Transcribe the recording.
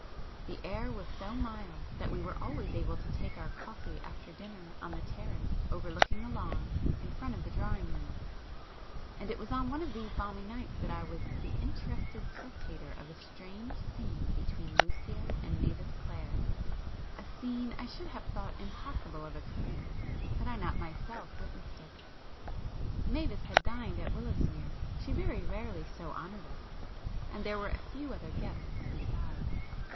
The air was so mild that we were always [p 344] able to take our coffee after dinner on the terrace overlooking the lawn in front of the drawing room,—and it was on one of these balmy nights that I was the interested spectator of a strange scene between Lucio and Mavis Clare,—a scene I should have thought impossible of occurrence had I not myself witnessed it. Mavis had dined at Willowsmere; she very rarely so honoured us; and there were a few other guests besides.